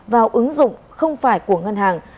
vào ứng dụng không phải của ngân hàng